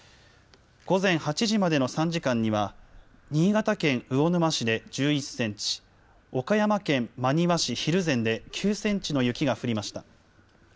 午前８時までの３時間には新潟県魚沼市で１１センチ、岡山県真庭市蒜山で９センチの雪が降りました。